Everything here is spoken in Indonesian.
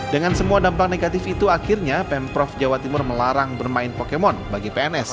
dengan semua dampak negatif itu akhirnya pemprov jawa timur melarang bermain pokemon bagi pns